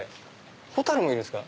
ホタルもいるんですか？